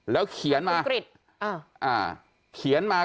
แล้วเขียนมา